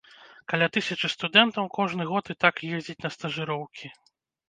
Каля тысячы студэнтаў кожны год і так ездзіць на стажыроўкі.